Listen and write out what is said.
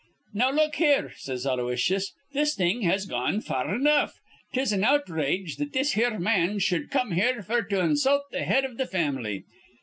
"'Now look here,' says Aloysius, 'this thing has gone far enough. 'Tis an outrage that this here man shud come here f'r to insult th' head iv th' fam'ly.'